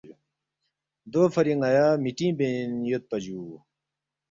دوفری ن٘یا مِٹینگ بین یودپا جُو